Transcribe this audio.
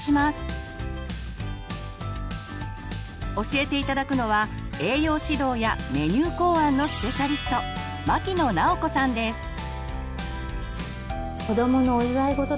教えて頂くのは栄養指導やメニュー考案のスペシャリストっていう声はよく聞くんですね。